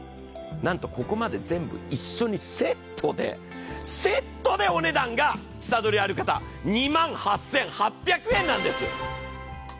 なんとここまで全部一緒にセットでお値段が、下取りある方、２万８８００円なんです。